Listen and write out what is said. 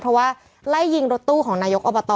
เพราะว่าไล่ยิงรถตู้ของนายกอบต